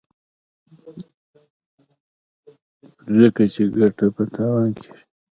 ځکه چې ګټه په تاوان کېږي.